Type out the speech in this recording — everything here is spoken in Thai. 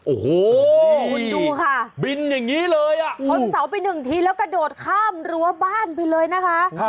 โอ้โหคุณดูค่ะบินอย่างนี้เลยอ่ะชนเสาไปหนึ่งทีแล้วกระโดดข้ามรั้วบ้านไปเลยนะคะ